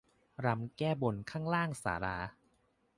รำแก้บนข้างศาลา